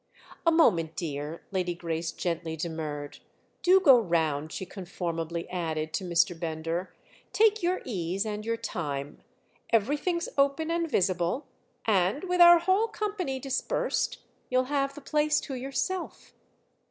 "A moment, dear"—Lady Grace gently demurred. "Do go round," she conformably added to Mr. Bender; "take your ease and your time. Everything's open and visible, and, with our whole company dispersed, you'll have the place to yourself."